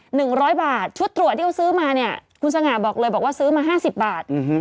หนึ่งร้อยบาทชุดตรวจที่เขาซื้อมาเนี่ยคุณสง่าบอกเลยบอกว่าซื้อมาห้าสิบบาทอืม